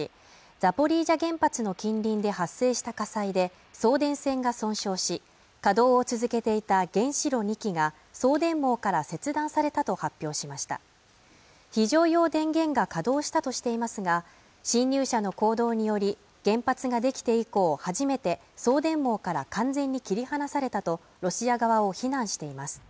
ザポリージャ原発の近隣で発生した火災で送電線が損傷し稼働を続けていた原子炉２基が送電網から切断されたと発表しました非常用電源が稼働したとしていますが侵入者の行動により原発が出来て以降初めて送電網から完全に切り離されたとロシア側を非難しています